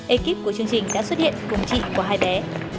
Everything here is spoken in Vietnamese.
ekip của chương trình đã xuất hiện cùng chị của hai bé